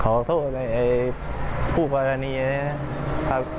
ขอโทษนะครับผู้บรรณีนี้นะครับ